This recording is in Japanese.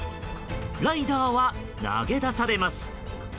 ライダーは投げ出されます。